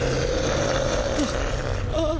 あっああ。